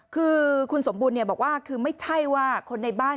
คือคุณสมบูรณ์บอกว่าคือไม่ใช่ว่าคนในบ้าน